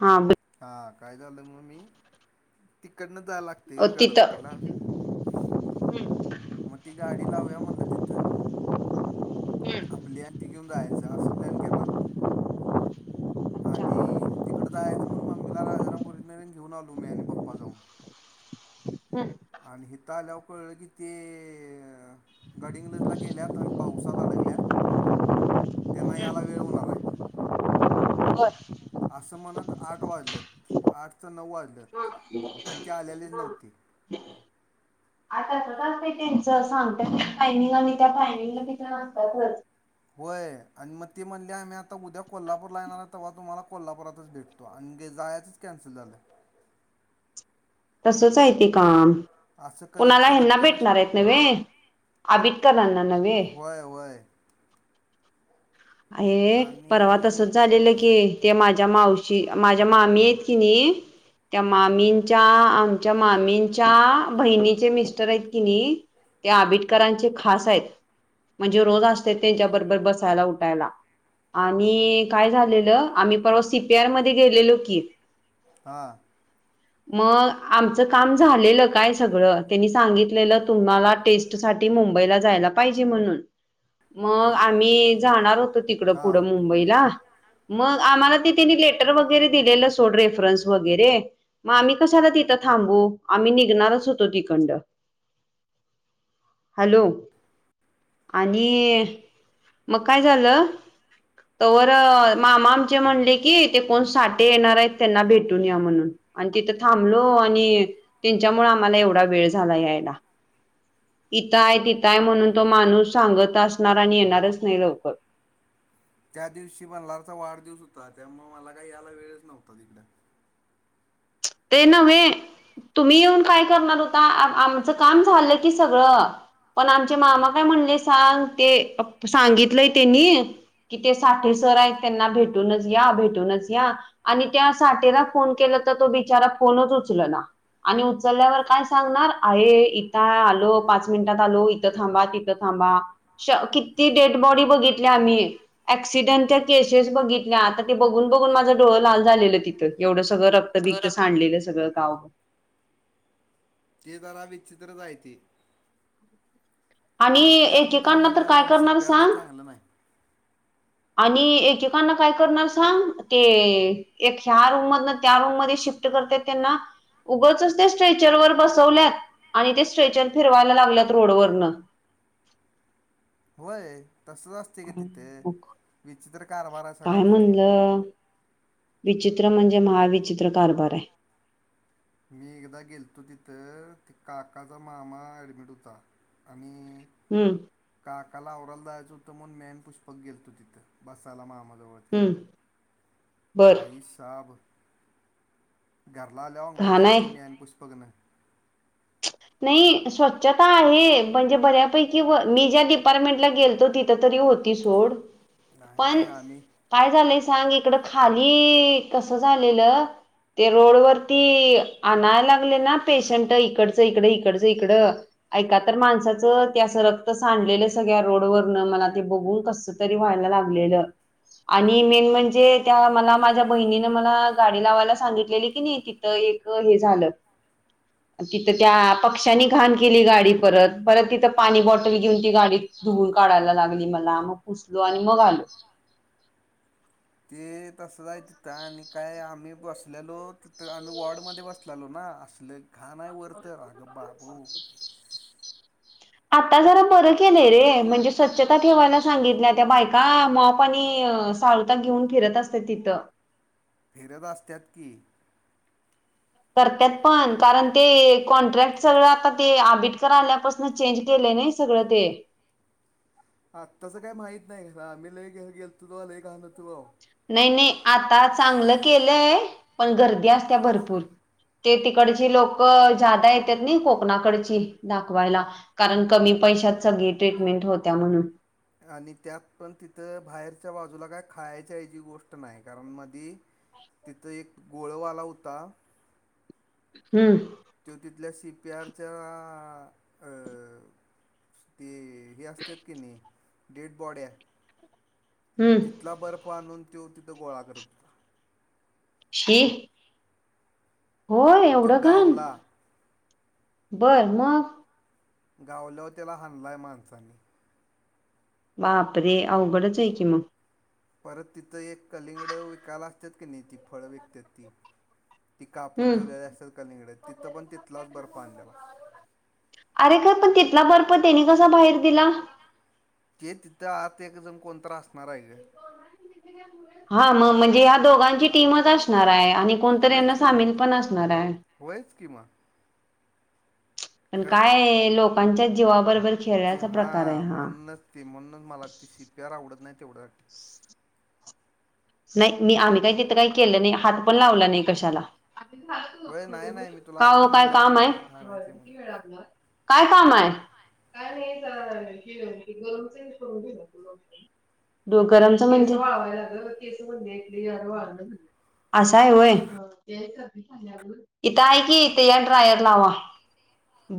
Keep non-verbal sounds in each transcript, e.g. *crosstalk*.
हा हा काय झालं मग मी तिकडनं जाय लागते ग तिथं गारगोटीला मोठी गाडी लावूया म्हणलं तिथं आपल्या घेऊन जायचं असं प्लॅन केला. आणि तिकडं जायाचं म्हणून मम्मीला राजारामपुरीतनं घेऊन आलो. मी आणि पप्पा जाऊन. आणि हेिथ आल्यावरं कळलं की ते गडहिंगलजला गेल्यात आणि पावसात अडकल्यात त्यांना याला वेळ हुनार हाय. बर असं म्हणत आठ वाजल्यात आठच नऊ वाजल्यात. आणि ती आलेलीच नव्हती. आता स्वत अस *inaudible* त्यांच सांगत्यात टायमिंग आणि त्या टायमिंगला तिथं नसत्यातच. होय आणि मग ती म्हणल्या आम्ही आता उद्या कोल्हापूर ला येणार तवा तुम्हाला कोल्हापुरातच भेट तो आणि जायाचंच कॅन्सल झालं. तसंच हाय ते काम. असं करत कुणाला हेंना करत करत भेटणार आहेत नव्हे आबिटकरांना नव्हे? व्हय. एक परवा तसंच झालेलं की ते माझ्या मावशी माझ्या मामी आहेत की नाही. त्या मामींच्या आमच्या मामींच्या बहिणीचे मिस्टर आहेत की नाही त्या आबिटकरांचे खास आहेत. म्हणजे रोज असत्यात त्यांच्या बरोबर बसायला उठायला. आणि काय झालेलं आम्ही परवा सी पी आर मध्ये गेलेलो की, हां मग आमचं काम झालेलं काय? सगळं त्यांनी सांगितलेलं तुम्हाला टेस्ट साठी मुंबईला जायला पाहिजे म्हणून काय मग झालं आम्ही जाणार होतो तिकड हां पुढं मुंबईला मग आम्हाला ते तेनी लेटर वगैरे दिलेलं सोड रेफरन्स वगैरे मग आम्ही कशाला ती थं थांबू आम्ही निघणारच होतो ती तिकडनं हॅलो आणि मग काय झालं? तवर मामा आमचे म्हणले की ते कोण साठे येणार आहेत त्यांना भेटून या म्हणून. आणि तिथं थांबलो आणि तेंच्यामुळं आम्हाला एवढा वेळ झाला यायला. इथं हाय तिथं हाय म्हणून तो माणूस सांगत असणार आणि येणारच नाही लवकर. त्या दिवशी मल्हारचा वाढदिवस हुता त्यामुळे मला काय यायला वेळच नव्हता तिकडं. ते नव्हे तुम्ही येऊन काय करणार होता आमचं काम झालं की सगळं पण आमचे मामा काय म्हणले सांग ते सांगितलंय तेनी कि ते साठे सर आहेत त्यांना भेटूनच या भेटूनच या आणि त्या साठेला फोन केला तर तो बिचारा फोनच उचलंना आणि उचलल्यावर काय सांगणार आहे इथं हाय आलो पाच मिनिटात आलो इथं थांबा ती थ थांबा श किती डेड बॉडी बघितली आम्ही अऍक्सिडेंटच्या केसेस बघितल्या आता ते बघून बघून माझं डोळं लाल झालेलं तिथं. एवढं सगळं रक्त बिक्त सांडलेलं सगळं गावा ती जरा विचित्रच हाय ते. आणि सी पी आर मी तुला एकेकांना तर म्हणलेलं की काय नाही सी करणार पी आर काय सांग चांगलं नाही. आणि एकेकांना काय करणार सांग ते एक ह्या रूम मधन त्या रूम मधे शिफ्ट करतेत त्यांना उगंचच त्या स्ट्रेचर वर बसवल्यात आणि ते स्ट्रेचर फिरवायला लागल्यात रोडवरन. होय तसंच असं- ह हो *inaudible* विचित्र कारभार आहे सगळा तिथला. हम्म विचित्र म्हणजे महाविचित्र कारभार आहे. मी एकदा गेलतो तिथं ते काकाचा मामा ऍडमिट होता आणि हम्म काकाला आवराला जायाचं होतं म्हणुन मी अन पुष्पक गेलतो तिथं बसायला मामा जवळ. हम्म बर भाईसाब घरला आल्यावर अंघोळ घाण आहे केलती मी अन पुष्पकन नाही स्वच्छता आहे म्हणजे बऱ्यापैकी मी ज्या डिपार्टमेंटला गेलतो तिथं तरी होती ती सोड न्हाय पण न्हाय आम्ही काय झालंय सांग इकडं खाली कसं झालेलं ते रोडवरती आणायला लागले ना पेशंट इकडं इकडचं इकडे इकडचं इकडं ऐका तर माणसाचं ते असं रक्त सांडलेलं सगळ्या रोडवरन मला ते बघून कसंतरी तरी व्हायला लागलेलं आणि मेन म्हणजे त्या मला माझ्या बहिणीने मला गाडी लावायला सांगितलेली की नाही ति तिथं एक हे झालं तिथं त्या पक्ष्यांनी घाण केली गाडीत परत परत तिथं पाणी बॉटल घेऊन ती गाडीत धुवून काढायला लागली मला मग पुसलो आणि मग आलो. ते तसचाय तिथं आणि काय आम्ही बसलेलो तिथंला आम्ही वॉर्डमध्ये बस बसलेलो ना असलं घाण हाय वरतर आग बाबो आता जरा बर केलंय रे म्हणजे स्वच्छता ठेवायला सांगितल्या त्या बायका माप आणि *unintelligible* घेऊन फिरत असते तिथं फिरत असत्याात की करत्यात पण कारण ते कॉन्ट्रॅक्ट सगळं आता ते आबिटकर आल्यापास पूर्ण चेंज केलंय नाही सगळं ते आत्ताच काही माहित नाही आम्ही लई गेलतु तवा लई घाण व्हतं बाबा नाही नाही आता चांगलं केलंय पण गर्दी असत्या भरपूर ते तिकडची लोक जादा येतात नाई कोकणाकडची दाखवायला कारण कमी पैशात सगळी ट्रीटमेंट होत्या म्हणून. आणि त्यात पण तिथं बाहेरच्या बाजूला काय खायच्या हची गोष्ट नाही कारण मधी तिथं एक गोळ वाला होता. हम्म तो तिथल्या सी पी आरच्या ती हे असतात का नाही डेड बॉड्या हम्म तिथला बर्फ आणून त्यो तिथं गोळा करत होता हे. होय तो एवढं घाण? गावला बर मग? गावल्यावर त्याला हाणलाय माणसांनी. बापरे अवघडच आहे की मग. परत तिथं एक कलिंगडं विकायला असत्यात की नाही ती फळं विकत्यात ती. ती कापून हम्म ठेवलेली असतात कलिंगड तिथं पण तिथलाच बर्फ आणलेला. अरे तो पण तिथला बर्फ त्यानी कसा बाहेर दिला? ते तिथं आत एक जण कोण तरी असणार आहे ग. हा म म्हणजे या दोघांची टीमच असणार आहे आणि कोणतरी होयच यांना कि म सामील पण असणार आहे. होयच की मग. पण काय आहे, लोकांच्या जीवाबरोबर जे खेळायचा प्रकार आहे हा. म्हणूनच ते म्हणूनच मला ते सी पी आर आवडत नाही तेवढट. नाही मी आम्ही काही तिथं काही केलं नाही हात पण लावला नाही कशाला. होय नाही नाही मी तुला अगोदर काहो काय म्हणलेल काम की आहे? तुला घाण ते किती म्हणून वेळ लागणार? काय काम आहे? काय नाही. *unintelligible* डोकरमच म्हणजे वाळवायला लागल. अस आहे होय? इथं आहे कि इथे या ड्रायर लावा.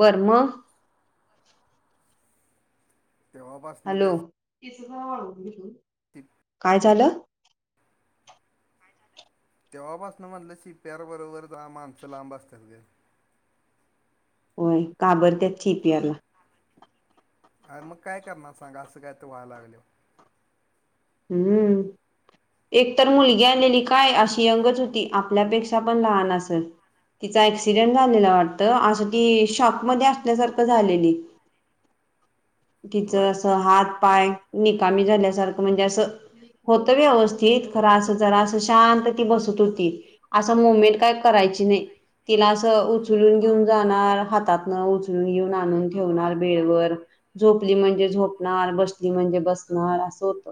बरं मग. तेव्हापासन हॅलो. त्या काय झालं? काय झालं? तेव्हापासणं म्हणलं सी पी आर बरोबर जा माणसं लांब असत्यात ग. होय काबरत्यात ची टी आर ला. आ मग काय करणार सांगा, असं काय तर व्हायला लागल्यावर. उहूं. एक तर मुलगी आणलेली काय अशी यंगच होती. आपल्यापेक्षा पण लहान आसल. तिचा ऍक्सिडेंट झालेला वाटत, अगदी शॉक मध्ये असल्यासारखं झालेली. *inaudible* तिचं होय अस हात पाय निकामी झाल्यासारखं. म्हणजे असं होतं व्यवस्थित खरं असं जरा अस शांत ती बसत होती. असं मुवमेंट काही करायची नाही तिला असं उचलून घेऊन जाणार हातात न उचलून घेऊन आणून ठेवणार बेडवर झोपली म्हणजे झोपणार, बसली म्हणजे बसणार असं होत.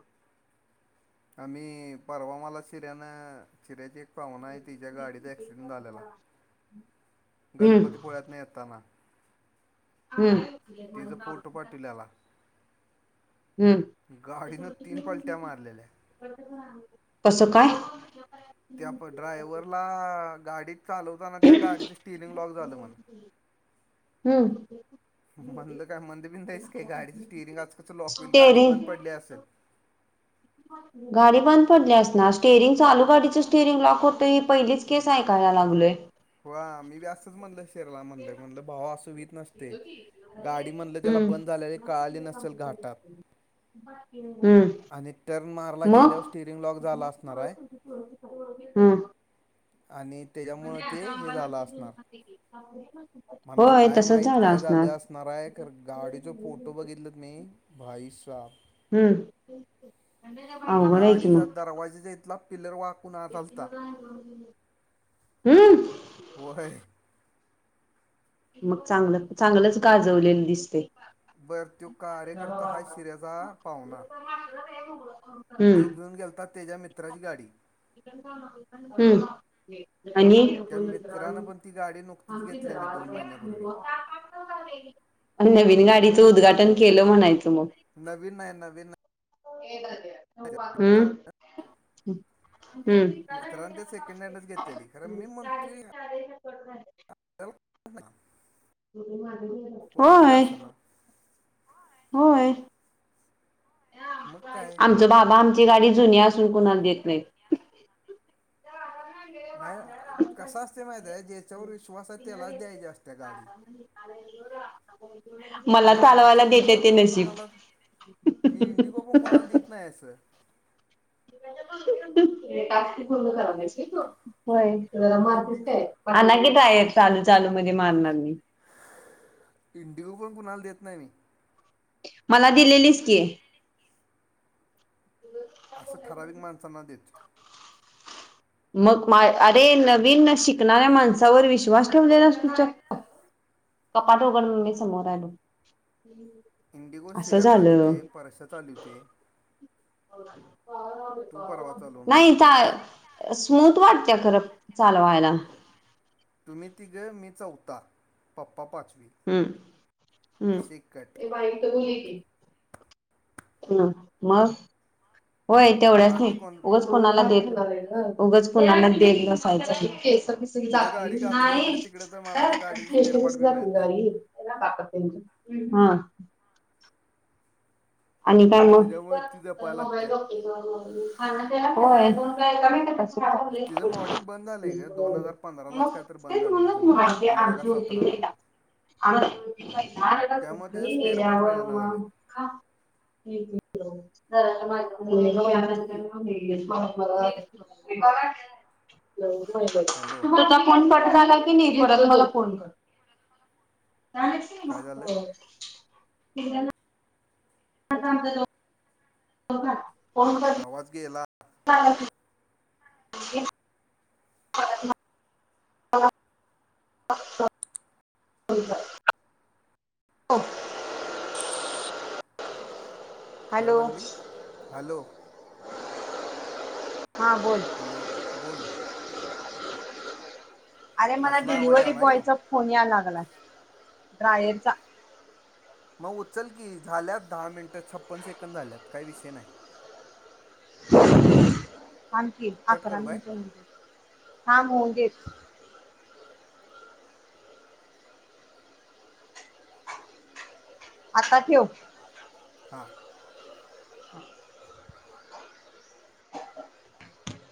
आम्ही परवा मला शिऱ्यान चिऱ्याची एक पाहुना आहे, तिच्या गाडीचा ऍक्सिडेंट झाल्याला. *inaudible* गणपतीपुळ्यातन येेताना. *unintelligible* तिचा पोटो पाठवल्याला. हम्म गाडीनं तीन पलट्या मारलेल्या. कसं काय? त्या प ड्रायव्हरला गाडी चालवताना, त्या गाडीचं स्टिरिंग लॉक झालं म्हण. हम्म. बंद काय मंदबिंद आहेस का काय? गाडीच स्टीअरिंग आजकालच लॉक होईल. गाडी स्टेरिंग बंद पडली असेल गाडी बंद पडली असणार. स्टेरिंग चालू गाडीच स्टेरिंग लॉक होतंय ही पहिलीच केस ऐक काया लावलोय. वा. मी बी असंच म्हणलं शेरला म्हणलं म्हणलं भावा अस मी. नसते गाडी म्हणलं त्याला हम्म बंद झाल्याली कळाली नसंल घाटात हम्म आणि टर्न मारला मग गेल्यावर स्टिरिंग लॉक झाला असणार हाय, हम्म आणि त्याच्यामुळं ते हे झालं असणार. होय तसंच झालं असणार. णारयकर गाडीच फोटो बघितलंत मी भाई साब हम्म, अवघड आहे की गाडीचा मग दरवाजाचा इथंला पिल्लर वाकून आत आलता, हम्म व्हय. मग चांगलं, चांगलच गाजवलेलं दिसतंय‌. बर त्यो कार्यकर्ता हाय सिऱ्याचा पावना. त्यो हम्म घेऊन गेलात त्याच्या मित्राची गाडी हं, आणि त्या मित्रानं पण ती गाडी *inaudible* नुकतीच घेतलेली दोन महिन्यापूर्वी नवीन गाडीचं उद्घाटन केलं म्हणायचं मग. नवीन नाय, नवीन नाही हम्., त्या हम्म, मित्रां ते सेकंड हँडच घेतलेली, करण मी म्हणतुया *inaudible* नाही, कोणाची का होय, असं ना होय. मग काय आमचे बाबा आमची गाडी जुनी असून कुणाला देत नाही. नाही कसा असते माहितीये, ज्याच्यावर विश्वास आहे त्यालाच द्यायच्या असते्य गाडी. मला मग चालवाला आमची देते इंडिगो ते तर मी नशीब कोणाला मी इंडिगोपण कोणाल दित नाही असं. *unintelligible* टास्क पूर्ण कराय पाहिजे. होय, इंडिगो झाला कि टायर चालू झालः म्हणे मारणार नही. इंडिगो पण कुणाला देत नाही मी. मला दिलेलीयेस की. असं ठराविक माणसांना देतोयं. मग माय अरे नवीन शिकणाऱ्या माणसावर विश्वास ठेवलेलास तुझा कपाट ऊघड मम्मी समोर आलो. इंडिगो असं शिऱ्या झालं चालीवतय, परश्या चालीवतय. तू परवा चालवून नाही चा बघितलीस स्मूथ वाटते्या खरं चालवायला. तुम्ही तिघं, मी चौथा, पप्पा पाचवी हम्म, हम्म. विषय कट ये बाई करू दे की. मग होय तेवढ्यास बाकी निच कोण उगच उगच कुणाला नव्हे, कुणाला उगच कुणाला देत बसायचं. कुठं गाडी घातली इकडे तिकडे तर मला त्या गाडीचं स्पेअर पार्ट बी मिळत नाही *inaudible* हा, आणि काय मग तिच्यामुळे *unintelligible* ती जपायला लागत्या ते म्हण, तिचं मॉडेल बंद झालं आहे ग दोन हजार पंधरालाच मग काय तर बंद तेच झालं बोलंल आहे ना तिचं मॉडेल पंधरा का सतराला तुम्हाला. त्यामुळे त्याचं स्पेअर पार्ट मिळणार झालं *unintelligible* *unintelligible* *inaudible* *inaudible* तेजा हॅलो फोन कट झाला की *unintelligible* नी मला फोन कर. काय झाल. *unintelligible* *inaudible* हो का फोन आवाज गेला. *inaudible* ओके. ह हो. अच्छा. हो का हो. काय हॅलो म्हणली हॅलो हां बोल. हॅलो बोल. अरे मला कसला आवाज डिलिव्हरी आलाय ह्यो बॉयचा फोन याय लागलाय ड्रायरचा. म उचल की झाल्यात दहा मिनिटात छप्पन सेकंद झाल्यात काय विषय नाही. थांब की कट अकरा करू काय मिनिटे होऊनदेत थाम होऊन देत. आता ठेव. हा. हा.